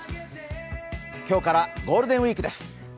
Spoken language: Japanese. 今日からゴールデンウイークです。